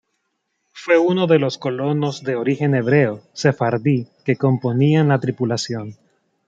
Fue uno de los colonos de origen hebreo sefardí que componían la tripulación.